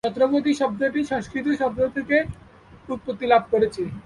ছত্রপতি শব্দটি সংস্কৃত শব্দ থেকে উৎপত্তি লাভ করেছে।